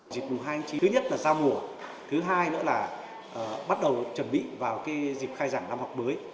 dịp mùng hai tháng chín thứ nhất là giao mùa thứ hai nữa là bắt đầu chuẩn bị vào dịp khai giảng năm học mới